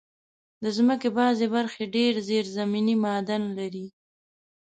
د مځکې بعضي برخې ډېر زېرزمینې معادن لري.